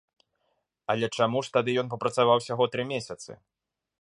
Але чаму ж тады ён папрацаваў ўсяго тры месяцы?